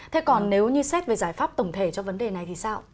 thế còn nếu như xét về giải pháp tổng thể cho vấn đề này thì sao